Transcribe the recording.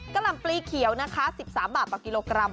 หล่ำปลีเขียวนะคะ๑๓บาทต่อกิโลกรัม